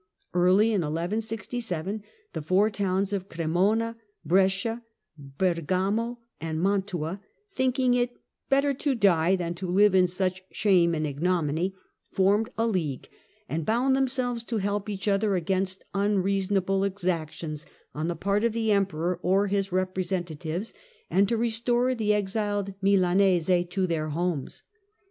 Early in 1167 the four towns of Cremona, Brescia, Bergamo and Mantua, thinking it " better to die than to live in such shame and ignominy," formed a league, and bound themselves to help each other against unreasonable exactions on the part of the Emperor or his representatives, 162 THE CENTRAL PERIOD OF THE MIDDLE AGE and to restore the exiled Milanese to their homes.